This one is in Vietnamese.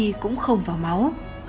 oxy cũng không vào máu